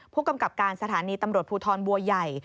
ผู้กำกับการสถานีตำรวจภูทรบัวใหญ่